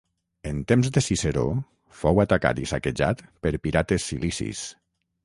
En temps de Ciceró fou atacat i saquejat per pirates cilicis.